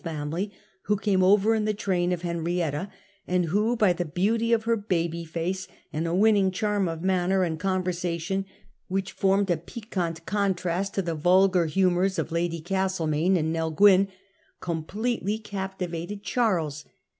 family, who came over in the train of Hen rietta, and who, by the beauty of her ' baby face,' and a winning charm of manner and conversation which formed a piquant contrast to the vulgar humours of Lady Castlcmaine and Nell Gwyn, completely capti vated Charles.